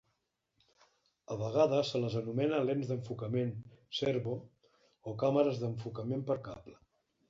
A vegades se les anomena lents d'enfocament "servo" o càmeres d'"enfocament per cable".